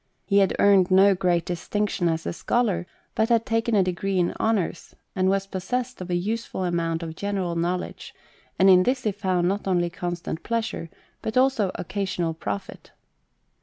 He had earned no great distinction as a scholar, but had taken a degree in honours, and was possessed of a useful amount of general know ledge, and in this he found not only constant pleasure, but also occasional profit.